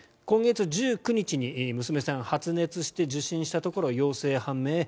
今月１９日に娘さんが発熱して受診したところ陽性判明。